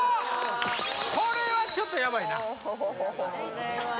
これはちょっとやばいな